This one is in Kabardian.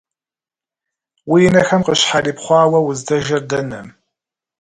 Уи нэхэм къыщхьэрипхъуауэ, уздэжэр дэнэ?